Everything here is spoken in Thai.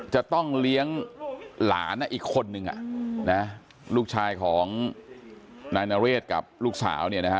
จะต้องเลี้ยงหลานอีกคนนึงลูกชายของนายนเรศกับลูกสาวเนี่ยนะฮะ